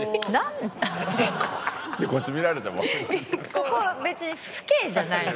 ここ別に父兄じゃないの。